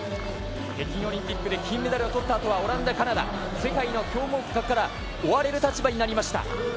北京で金メダルをとったあとはオランダ、カナダ、世界の強豪国から追われる立場になりました。